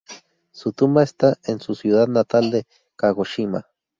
Su tumba está en su ciudad natal de Kagoshima.